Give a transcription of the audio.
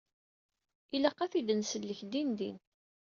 Ilaq ad t-id-nsellek dindin.